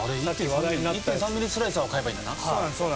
ミリスライサーを買えばいいんだな。